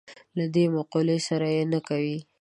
له دې مقولې سره یې نه کوي.